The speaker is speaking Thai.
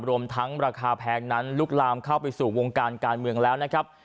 รวมทั้งราคาแพงนั้นลุกลามเข้าไปสู่วงการการเมืองแล้วนะครับ